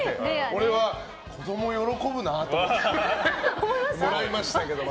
俺は子供喜ぶなと思ってもらいましたけどね。